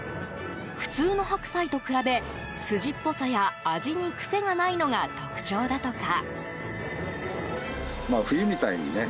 普通の白菜と比べ筋っぽさや味にくせがないのが特徴だとか。